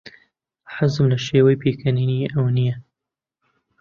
حەزم لە شێوەی پێکەنینی ئەو نییە.